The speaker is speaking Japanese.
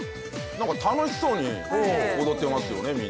なんか楽しそうに踊ってますよね